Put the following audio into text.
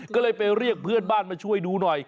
ก็เลยไปเรียกเพื่อนบ้านมาช่วยดูหน่อย